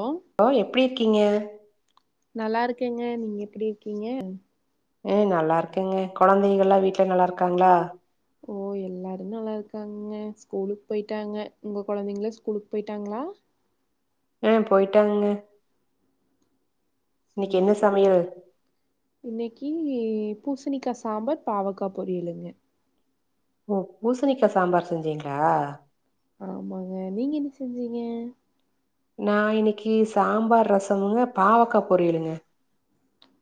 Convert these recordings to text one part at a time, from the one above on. ஒ ஒ எப்டி இர்க்கீங்க நல்லாருக்கேங்க நீங்க எப்புடி இருக்கீங்க எ நல்லார்க்கங்க கொழந்தைகள்ல்லா வீட்ல நல்லார்க்காங்ளா ஓ எல்லாரு நல்லாருக்காங்க ஸ்கூலுக் போயிட்டாங்க உங்க கொழந்தைங்கள ஸ்கூலுக் போயிட்டாங்ளா அ போயிட்டாங்கங்க சேர் என்ன சே சமையல் இன்னக்கி பூசணிக்கா சாம்பார் பாவக்கா பொரியளுங்க ஒ பூசணிக்கா சாம்பார் செஞ்சீங்ளா ஆமாங்க நீங்க என்ன செஞ்சீங்க நா இன்னிக்கி சாம்பார் ரசமுங்க பாவக்கா பொரியளுங்க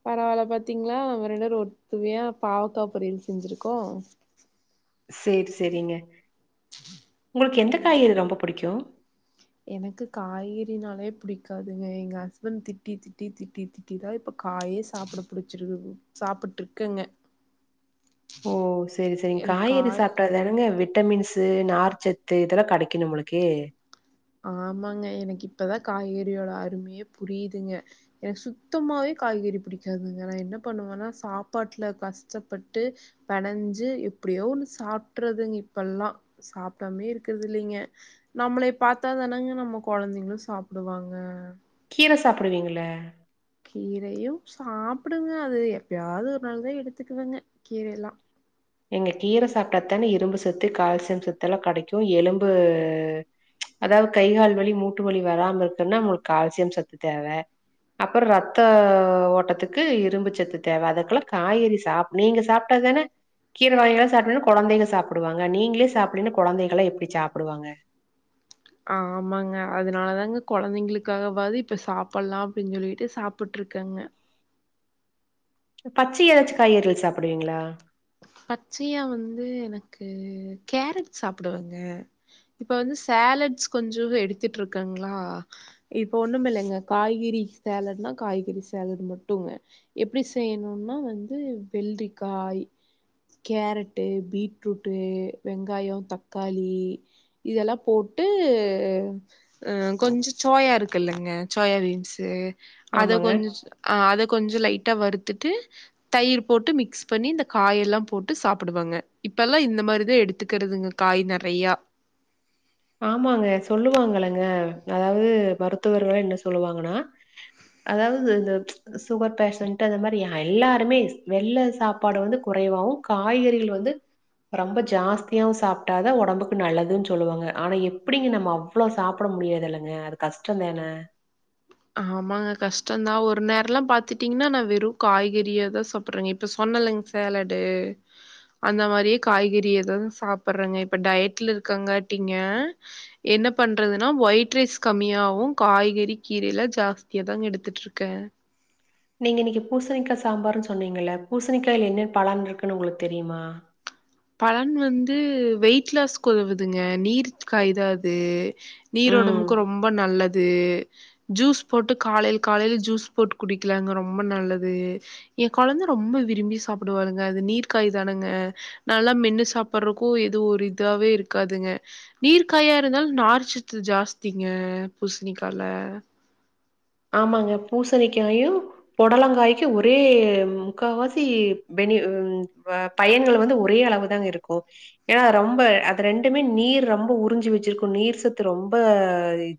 பரவால பாத்தீங்ளா நம்ப ரெண்டேரு ஒர்த்துவியா பாவக்கா பொரியல் செஞ்சிருக்கோ சேர் செரிங்க உங்ளுக்கு எந்த ம் காயி இது ரொம்ப புடிக்கு எனக்கு காய்கறினாலே புடிக்காதுங்க எங்க ஹஸ்பண்ட் திட்டி திட்டி திட்டி தி தி தா இப்ப காயே சாப்புட புடிச்சிருக்கு சாப்புட்ருக்கங்க ஓ செரி செரிங் காய்கறி சாப்ட்டாதானங்க விட்டமின்ஸ் தூ நார்ச்சத்து இதல்லா கடைக்கு நம்மளுக்கு ஆமாங்க எனக்கு இப்பதா காய்கறியோட அரும்யே புரிய்துங்க எனக்க சுத்தமாவே காய்கறி புடிக்காதுங்க நா என்ன பண்ணுவன்னா சாப்பாட்ல கஸ்ட்டப்பட்டு பெனஞ்சு எப்டியோ ஒன்னு சாப்ட்டறதுங் இப்பல்லா சாப்டாம்யே இருக்கற்து இல்லிங்க நம்மளே பாத்தாாதானாங்க நம்ம கொழந்தைங்ளு சாப்டுவாங்க கீர சாப்டுவீங்ள கீரையு சாப்டுங்க அது எப்பயாவது ஒரு நாள் தா எடுத்துக்குவேங்க கீரைய எல்லா எங்க கீர சாப்டா தான இரும்பு சத்து கால்சியம் சத்து எல்லா கெடைக்குஎலும்பு அதாவது கை கால் வலி மூட்டு வலி வராம இருக்குன்னா நம்ளுக்கு கால்சியம் சத்து தேவ அப்ரோ ரத்த ஓட்டத்துக்கு இரும்புச்சத்து தேவ அதுக்குள்ள காய்கறி சாப் நீங்க சாப்டா தான கீர வகைகள்ள சாப்டாதான கொழந்தய சாப்டுவாங்க நீங்களே சாப்பிடுன்னு கொழந்தைகள்ளா எப்டி சாப்டுவாங்க ஆமாங்க அதனால தாங்க கொழந்தைங்களுக்காகவது இப்ப சாப்லா அப்டின்னு சொல்லிட்டு சாப்டு இருக்கங்க பச்சயா ஏதாச்சும் காய்றிகள் சாப்டுவீங்ளா பச்சையா வந்து எனக்கு கேரட் சாப்டுவங்க இப்ப வந்து சேலட்ஸ் கொஞ்சோ எடுத்துட்டு இருக்காங்ளா இப்ப ஒன்னுமில்லங்க காய்கறி சேலடுனா காய்கறி சோலட் மட்டுங்க எப்டி செய்யணும்னா வந்து வெள்ளிக்காய் கேரட்டு பீட்ரூட்டு வெங்காயோ தக்காளி இதெல்லா போட்டு அ கொஞ்சோ சோயா இருக்குல்லங்க சோயா பீன்ஸு அத ஆமாங்க கொஞ்சுஸ் ஆ அத கொஞ்சோ லைட்டா வறுத்துட்டு தயிர் போட்டு மிக்ஸ் பண்ணி இந்த காயெல்லா போட்டு சாப்டுவாங்க இப்பெல்லா இந்த மாதிரிதா எடுத்துக்கறதுங்க காய் நறையா ஆமாங்க சொல்லுவாங்கலங்க அதாவது மருத்துவர்கள என்ன சொல்லுவாங்கனா அதாவது இந்த சுகர் பேஷன்ட் அந்த மாதிரி யா எல்லாருமே வெள்ள சாப் பாடு வந்து குறைவாவு காய்கறிகள் வந்து ரொம்ப ஜாஸ்தியாவு சாப்டாதா ஒடம்புக்கு நல்லதுன்னு சொல்லுவாங்க ஆனா எப்புடிங்க நம்ம அவ்ளோ சாப்ட முடியாதுல்லங்க அது கஷ்டோதான ஆமாங்க கஷ்டம்தா ஒரு நேரல்லா பாத்திட்டீங்னா நா வெறு காய்கறியதா சாப் புறங்க இப்ப சொன்னலங்க சேலடு அந்த மாதிரியே காய்கறைதா சாப்டுறங்க இப்ப டயட்ல இருக்காங்காட்டீங்க என்ன பண்றதுனா ஒயிட் ரைஸ் கம்மியாவு காய்கறி கீரை எல்லா ஜாஸ்தியா தாங்க எடுத்துட்டு இருக்கே நீங்க இன்னைக்கு பூசணிக்கா சாம்பார்ன்னு சொன்னீங்க பூசணிக்காய்ல என்ன பலன் இருக்குன்னு உங்களுக்கு தெரியுமா பலன் வந்து வெயிட் லாஸ் குதவுதுங்க நீர் காய்தா அது ம். நீரோடம்புக்கு ரொம்ப நல்லது ஜூஸ் போட்டு காலேல் காலேல் ஜூஸ் போட்டு குடிக்கலாங்க ரொம்ப நல்லது ஏ கொழந்த ரொம்ப விரும்பி சாப்டுவானுங்க அது நீர் காய்தானுங்க நல்லா மென்னு சாப்றக்கு எதுவு ஒரு இதாகவே இருக்காதுங்க நீர் காயா இருந்தாலு நாரிச்சத்து ஜாஸ்திங்க பூசணிக்கால ஆமாங்க பூசணிக்காயு புடலங்காய்க்கு ஒரே முக்காவாசி பெனிவுன் வப் பையன்கள் வந்து ஒரே அளவு தா இருக்கு ஏனா ரொம்ப அது ரெண்டுமே நீர் ரொம்ப உறிஞ்சி வச்சிருக்கு நீர் சத்து ரொம்பஸ அ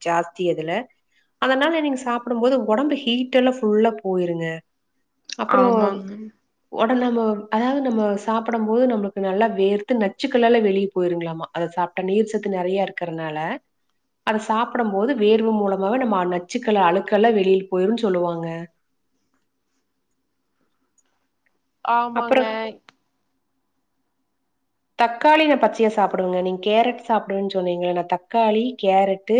ஜாஸ்தி அதுல அதனால நீங்க சாப் புடுபோது உடம்பு ஹீட்டெல்லா ஃபுல்லா போயிருங்க அப்றோன் ஆமாங்க. உட நம்மோ அதாவது நம்ம சாப்படோபோது நம்மளுக்கு நல்லா வேர்த்து நச்சுக்களால வெளியே போயிருங்களாமா அத சாப்டா நீர்ச்சத்து நெறைய இருக்கறனால அத சாப்டம்போது வேர்வ மூலமாக நம்ம நச்சுக்கள அழுக்கெல்ல வெளில போயிருன்னு சொல்லுவாங்க அப்புறம் ஆமாங்க தக்காளி நா பச்சையா சாப்டுவங்க நீங்க கேரட் சாப்டுவேன்னு சொன்னீங்களா நா தக்காளி கேரட்டு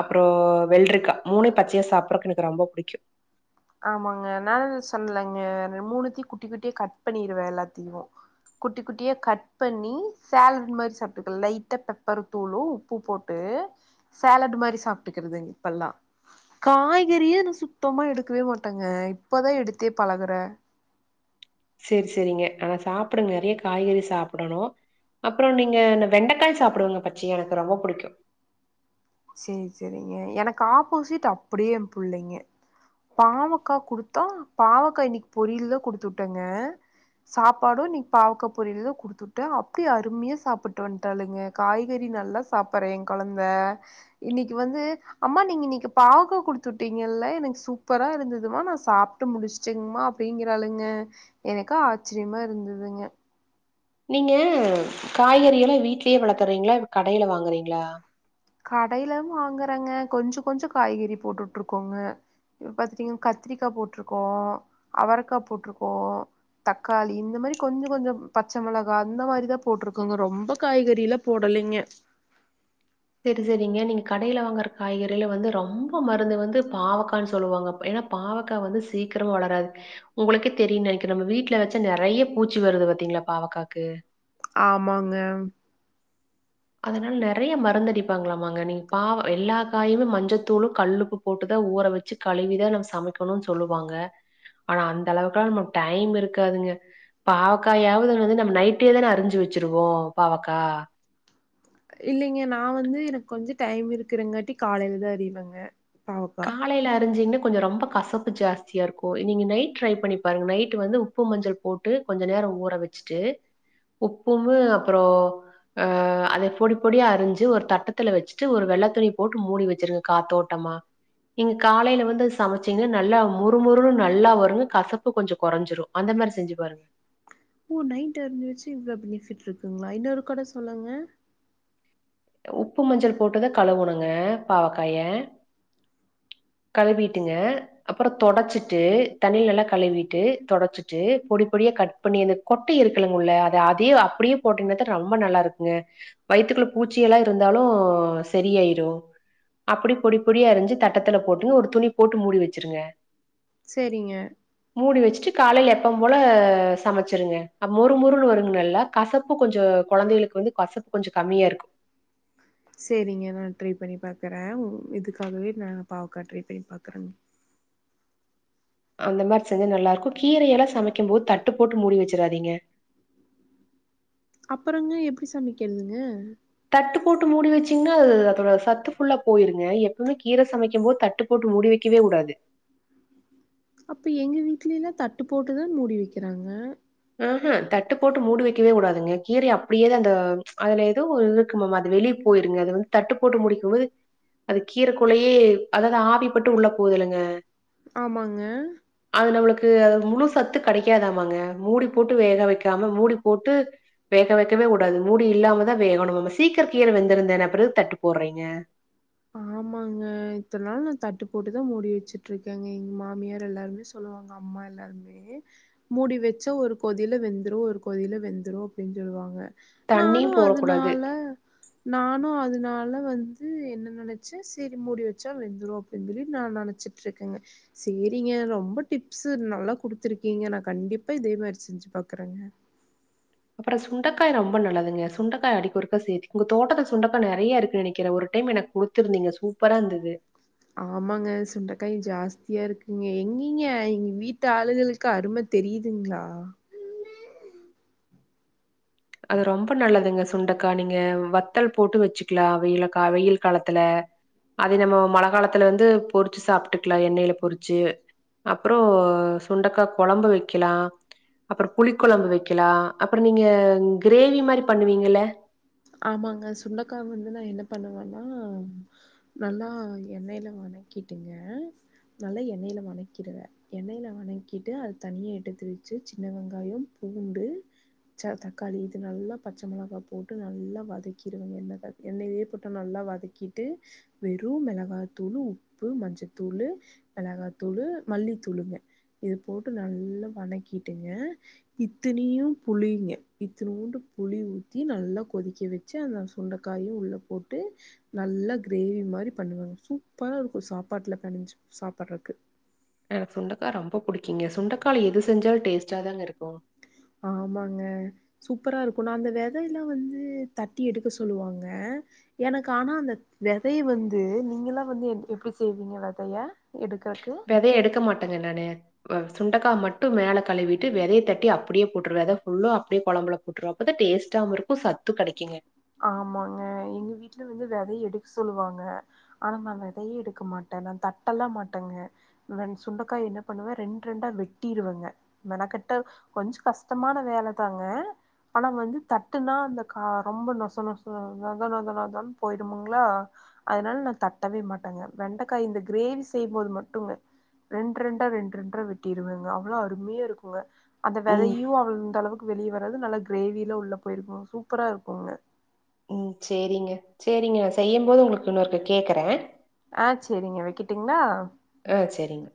அப்ரோ வெள்ரிக்கா மூணு பச்சையா சாப்டுறதுக்கு எனக்கு ரொம்ப புடிக்கு ஆமாங்க மேல சொல்லலங்க மூணுத்தையு குட்டி குட்டி கட் பண்ணிருவே எல்லாத்தையு குட்டி குட்டியா கட் பண்ணி சேலட் மாரி சாப்பிட்டுக்கலா லைட்டா பெப்பர் தூளும் உப்பு போட்டு போட்டு சேலட் மாரி சாப்ட்டுகிறது இப்பல்லா காய்கறியே சுத்தமா எடு இருக்கவே மாட்டங்க இப்பதா எடுத்தே பழகுற செரி செரிங்க ஆனா சாப்டுங்க ஆனா நெறைய காய்கறி சாப்டணு அப்பறோ நீங்க இந்த வெண்டைக்காய் சாப்டுவாங்க பச்சயா எனக்கு ரொம்ப புடிக்கு செரி செரிங்க எனக்கு ஆப்போசிட் அப்டியே எ புள்ளைங்க பாவக்கா குடுத்தா பாவக்கா இன்னைக்கு பொரியல்தா குடுத்து விட்டேங்க சாப்பாடு இன்னைக்கு பாவக்க பொரியில தான் குடுத்து விட்டே அப்டி அருமையா சாப்ட்டு வந்துட்டாளுங்க காய்கறி நல்லா சாப்டுறே எ கொழந்த இன்னைக்கு வந்து அம்மா நீங்க இன்னைக்குபாவக்கா குடுத்து விட்டீங்கல்ல எனக்கு சூப்பரா இருந்ததுமா நான் சாப் விட்டு முடிச்சுட்டுங்கமா அப்டிங்கிறாளுங்க எனக்கு ஆச்சரியமா இருந்ததுங்க நீங்க காய்கறி எல்லா வீட்லயே வளக்குறீங்களா கடையில வாங்குறீங்களா கடையில வாங்குறாங்க கொஞ்சொ கொஞ்சொ காய்கறி போட்டுட்டு இருக்கோங்க இப்ப பாத்தீங்க கத்திரிக்கா போட்ருக்கோ அவரக்கா போட்ருக்கோ தக்காளி இந்த மாரி கொஞ்சொ கொஞ்சொ பச்சை மிளகா அந்த மாரி தான் போட்ருக்கோங்க ரொம்ப காய்கறில போடலைங்க செரி செரிங்க நீங்க கடையில வாங்குற காய்கறில வந்து ரொம்ப மருந்து வந்து பாவக்கான்னு சொல்லுவாங்க ஏன்னா பாவக்கா வந்து சீக்கிர வளராது உங்களுக்கே தெரியும்னு நெனைக்குறே நம்ம வீட்டுல வச்ச நெறைய பூச்சி வருது பாத்தீங்களா பாவக்காக்கு ஆமாங்க அதனால நெறைய மருந்து அடிப்பாங்களாமாங்க நீங்க பாவ எல்லா காயுமே மஞ்சத்தூளு கல்லுப்பு போட்டுதான் ஊற வச்சு கழுவிதா நம் சமைக்கணுனு சொல்லுவாங்க ஆனா அந்த அளவுக்குலா நமக்கு டைம் இருக்காதுங்க பாவக்காயாவதுன்னு வந்து நம்ம நைட்டே தான் அறிஞ்சு வச்சிருவோ பாவக்கா இல்லிங்க நா வந்து எனக்கு கொஞ்சொ டைம் இருக்குறங்காட்டி காலையிலதா அறிவேங்க பாவக்கா காலையில அரிஞ்சிங்கனா கொஞ்சோ ரொம்ப கசப்பு ஜாஸ்தியா இருக்கு நீங்கள் நைட் ட்ரை பண்ணி பாருங்க நைட்டு் வந்து உப் உப்பு மஞ்சள் போட்டு கொஞ்ச நேரம் ஊற வச்சுட்டு உப்பு வு அப்றோ அ அத பொடி பொடியா அரிஞ்சு ஒரு தட்டத்துல வச்சுட்டு ஒரு வெள்ள துணி போட்டு மூடி வச்சிரு காத்தோட்டமா நீங்க காலையில வந்து சமைச்சீங்க நல்லா மொறுமொறு நல்லா வருங்க கசப்பு கொஞ்ச கொறஞ்சிரு அந்த மாரி செஞ்சு பாருங்க ஒ நைட் அரிஞ்சி வச்சு இவ்ளோ பெனிஃபிட் இருக்குங்களா இன்னொரு கூட சொல்லுங்க உப்பு மஞ்சள் போட்டுதா கழுவுணுங்க பாவக்காய கழுவிட்டுங்க அப்றோ தொடச்சிட்டு தண்ணில நல்லா கழுவிட்டு தொடச்சிட்டு பொடி பொடியா கட் இப்ப நீ அந்த கொட்டை இருக்குலங்க உள்ள அத அதே அப்டியே போட்டீங்னாதா ரொம்ப நல்லா இருக்குங்க வயித்துக்குள்ள பூச்சி எல்லா இருந்தாலு செரியாயிரும் அப்டி பொடி பொடியா அரிஞ்சு தட்டத் [unintelligible] போட்டு ஒரு துணி போட்டு மூடி வச்சிருங்க சேரிங்க மூடி வச்சுட்டு காலையில எப்பவு போல சமச்சிருங்க அ மொறு மொறுன்னு வருங்க நல்லா கசப்பு கொஞ்ச கொழந்தைகளுக்கு வந்து கசப்பு கொஞ்ச கம்மியா இருக்கு செரிங்க நா ட்ரை பண்ணி பாக்கறே உ இதுக்காகவே நா பாவக்கா ட்ரை பண்ணி பாக்குறே அந்த மாரி செஞ்சா நல்லா இருக்க கீரையெல்லா சமைக்கும் போது தட்டு போட்டு மூடி வச்சிறாதீங்க அப்றங்க எப்டி சமைக்றது தட்டு போட்டு மூடி வச்சிங்கன்னா அது அதோட சத்து ஃபுல்லா போயிருங்க எப்பவுமே கீர சமைக்கும் போது தட்டுப் போட்டு முடிவைக்கவே உடாது அப்ப எங்க வீட்லேயும் தட்டு போட்டுதான் மூடி வைக்கிறாங்க ஆ தட்டு போட்டு மூடி வைக்கவே உடாதுங்க கீரய அப்டியே தான் அந்த அதுல ஏதோ இது இருக்குமாமா அது வெளி போயிருங்க அத வந்து தட்டு போட்டு மூடி வைக்கும்போது அது கீரக்குலையே அதாவது ஆவி பட்டு உள்ள போது இல்லங்க ஆமாங்க அது நம்மளுக்கு அது முழு சத்து கடைக்காதாமங்க மூடி போட்டு வேக வைக்காம மூடி போட்டு வேக வைக்கவே உடாது மூடி இல்லாமதான் வேகணுமாம சீக்கிரோ கீர வெந்துருந்தான அப்ற எதுக்கு தட்டு போடுறீங்க ஆமாங்க இத்தன நாள் நான் தட்டு போட்டுதான் மூடி வச்சுட்டுருக்கேங்க எங்க மாமியார் எல்லாருமே சொல்லுவாங்க அம்மா எல்லாருமே மூடி வச்சா ஒரு கொதியில வெந்துரும் ஒரு கொதில வெந்துரும் அப்டின்னு சொல்வாங்க தண்ணியும் நானும் போடக்கூடாது. அதுனால நானும் அதுனால வந்து என்ன நெனைச்சே சேரி மூடி வச்சா வெந்துரும் அப்டின்னு சொல்லி நான் நெனச்சிட்ருக்கேங்க சேரிங்க ரொம்ப டிப்ஸ் நல்லா குடுத்ருக்கீங்க நான் கண்டிப்பா இதே மாரி செஞ்சு பாக்குறேங்க அப்பறோ சுண்டகா ரொம்ப நல்லதுங்க சுண்டக்கா அடிக்கொருக்க சேர்த் உங்க தோட்டத்துல சுண்டக்கா நெறைய இருக்குன் நெனைக்கிற ஒரு டைம் எனக் குடுத் த்துருந்தீங்க சூப்பரா இருந்தது ஆமாங்க சுண்டகாய் ஜாஸ்தியா இருக்குங்க எங்கீங்க எங்க வீட்டு ஆளுகளுக் கு அரும தெரியுதுங்ளா அது ரொம்ப நல்லதுங்க சுண்டக் க்கா நீங்க வத்தல் போட்டு வச்சுக்கலாம வெயில் கா வெயில் காலத்துல அது நம்ம மழ காலத்துல வந்து பொறிச்சு சாப்புட்டுக்கலா எண்ணெயில பொறிச்சு அப்பறோ சுண்டக்கா கொழம்பு வைக்கலா அப்பறோ புளி கொழம்பு வைக்கலா அப்பறம் நீங்க கிரேவி மாரி பண்ணுவீங்கல ஆமாங்க சுண்டக்கா வந்து நா என்ன பண்ணுவன்னா நல்லா எண்ணெயில வனக்கிட்டுங்க நல்லா எண்ணெயில வனக்கிருவ எண்ணெயில வனக்கிட்டு அது தனியே எடுத்து வச்சு சின்ன வெங்காயம் பூண்டு பச்ச தக்காளி இது நல்லா பச்ச மிளகா போட்டு நல்லா வதக்கிடுவங்க எண்ணையிலே போட்டு நல்லா வதக்கிட்டு வெறும் மிளகாத்தூள் உப்பு மஞ்சத்தூளு மிளகாத்தூளு மல்லித்தூளுங்க இது போட்டு நல்லா வணக்கிடுங்க இத்தனயும் புளிங்க இத்துணுண்டு புளி ஊத்தி நல்லா கொதிக்க வச்சு அந்த சுண்டக்காயும் உள்ள போட்டு நல்லா கிரேவி மாரி பண்ணுவங்க சூப்பரா இருக்கும் சாப்பாட்ல பெணஞ்சு சாப்றதுக்கு எனக்கு சுண்டக்காய் ரொம்ப புடிக்குங்க சுண்டக்கால எது செஞ்சாலும் டேஸ்ட்டா தாங்க இருக்கும் ஆமாங்க சூப்பரா இருக்கும் ந அந்த வெதயெலாம் வந்து தட்டி எடுக்க சொல்லுவாங்க எனக்கு ஆனா அந்த வெதை வந்து நீங்க எலாம் வந்து எப்டி செய்வீங்க வெதய எடுகாக்கு இப்பவே எடுக்க மாட்டேங்க நானு ஆ சுண்டக்காய் மட்டும் மேல கழுவிட்டு வெதைய தட்டி அப்டியே போட்டுருத ஃபுல்லா அப்டியே குழம்புல உட்று அப்பதா டேஸ்ட்டாவும் இருக்கும் சத்து கெடைக்குங்க ஆமாங்க எங்க வீட்ல வந்து வெதைய எடுக்க சொல்லுவாங்க ஆனா நா விதையே எடுக்க மாட்டேன் நா தட்டல்ல மாட்டேங்க வ சுண்டக்காய் என்ன பண்ணுவேன் ரெண்டு ரெண்டா வெட்டிருவங்க மெனக்கிட்ட கொஞ்ச கஷ்டமான வேலதாங்க ஆனா வந்து தட்டுனா அந்த கா ரொம்ப நொ ச நொச நொத நொத நொதனு போயிருமுங்ளா அதனால நா தட்டவே மாட்டேங்க வெண்டக்காய் இந்த கிரேவி செய்யும் போது மட்டுங்க ரெண் ரெண்டா ரெண் ரெண்டா வெட்டிருவங்க அவ்ளோ அருமையா இருக்குங்க அந்த ம், வெதையு அவள்ந்த அளவுக்கு வெளியே வறாது நல்லா கிரேவில உள்ள போயிருக்கு சூப்பரா இருக்குங்க ம் சேரிங்க சேரிங்க நா செய்யு போது உங்களுக்கு இன்னொருக்க கேட்குறே ஆ சேரிங்க வக்கிட்டுங்களா ஆ செரிங்க